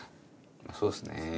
そうですね。